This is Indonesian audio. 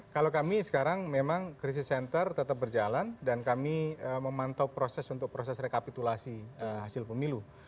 kalau kami sekarang memang krisis center tetap berjalan dan kami memantau proses untuk proses rekapitulasi hasil pemilu